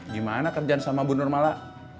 gimana kerjaan sama bunur mala